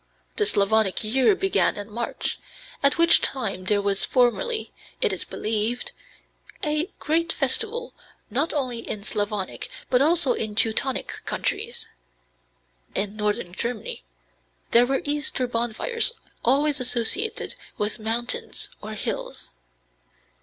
The Slavonic year began in March, at which time there was formerly, it is believed, a great festival, not only in Slavonic but also in Teutonic countries. In Northern Germany there were Easter bonfires always associated with mountains or hills.